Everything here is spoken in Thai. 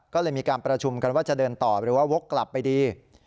ก็เลยมีการประชุมกันว่าจะเดินต่อหรือว่าวกกลับไปดี